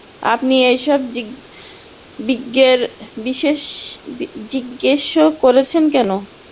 আপনি এইসব জিজ্ঞেস করছেন কেন?